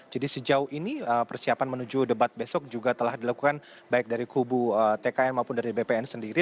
jadi sejauh ini persiapan menuju debat besok juga telah dilakukan baik dari kubu tkn maupun dari bpn sendiri